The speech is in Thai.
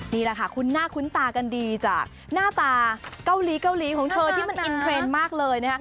นี่แหละค่ะคุ้นหน้าคุ้นตากันดีจากหน้าตาเกาหลีเกาหลีของเธอที่มันอินเทรนด์มากเลยนะคะ